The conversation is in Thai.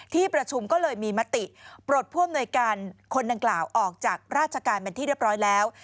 ที่ประชุมก็เลยมีมติโปรดพ่วนหน่วยการคณะกราวออกจากราชการแบบที่เรียบร้อยแล้ว